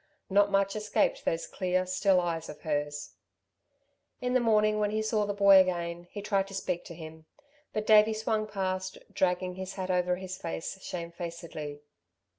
Not much escaped those clear, still eyes of hers. In the morning when he saw the boy again, he tried to speak to him; but Davey swung past, dragging his hat over his face, shamefacedly.